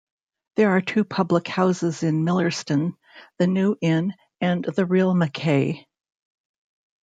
There are two public houses in Millerston; The New Inn and The Real MacKay.